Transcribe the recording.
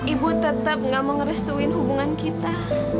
ibu tetap gak mengerestuin hubungan kita